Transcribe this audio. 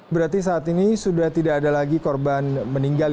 berarti saat ini sudah tidak ada lagi korban meninggal